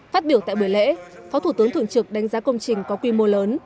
phát biểu tại buổi lễ phó thủ tướng thường trực đánh giá công trình có quy mô lớn